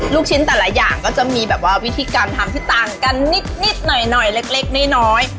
ลูกชิ้นแต่ละอย่างก็จะมีแบบว่าวิธีการทำที่ต่างกันนิดหน่อยเล็กน้อย